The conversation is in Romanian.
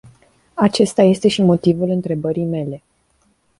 Acesta este și motivul întrebării mele.